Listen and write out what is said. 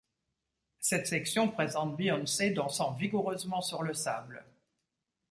Cette section présente Beyoncé dansant vigoureusement sur le sable.